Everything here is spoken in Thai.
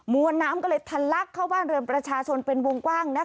วนน้ำก็เลยทันลักเข้าบ้านเรือนประชาชนเป็นวงกว้าง